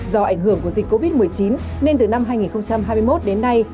do ảnh hưởng của dịch covid một mươi chín nên từ năm hai nghìn hai mươi một đến nay